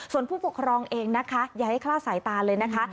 ส่วนผู้ปกครองเองนะคะอย่าให้คลาดสายตาเลยนะคะ